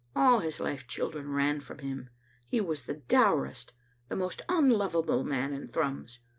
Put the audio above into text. All his life children ran from him. He was the dourest, the most unlovable man in Thrums.